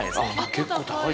結構高い。